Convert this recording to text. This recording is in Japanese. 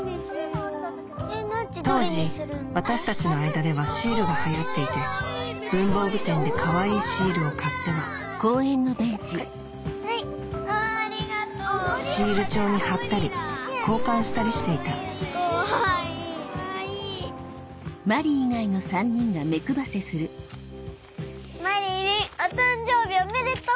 当時私たちの間ではシールが流行っていて文房具店でかわいいシールを買ってはシール帳に貼ったり交換したりしていたまりりんお誕生日おめでとう！